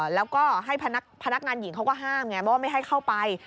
แล้วก็ให้พนักงานหญิงเขาก็ห้ามไงเพราะว่าไม่ให้เข้าไป